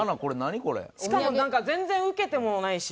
しかも全然ウケてもないし。